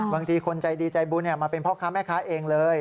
คนใจดีใจบุญมาเป็นพ่อค้าแม่ค้าเองเลย